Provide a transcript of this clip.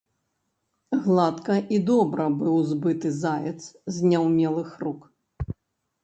Гладка і добра быў збыты заяц з няўмелых рук.